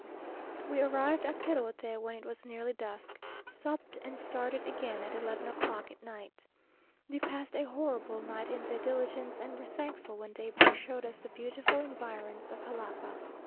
We arrived at Perote when it was nearly dusk, supped, and started again at eleven o'clock at night. We passed a horrible night in the diligence, and were thankful when daybreak showed us the beautiful environs of Jalapa.